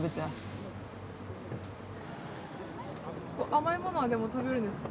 甘いものは食べるんですか？